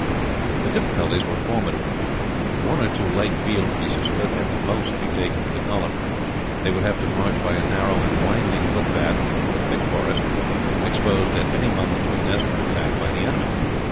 The difficulties were formidable. One or two light field pieces could, at the most, be taken with the column. They would have to march by a narrow and winding footpath, through a thick forest, exposed at any moment to a desperate attack by the enemy.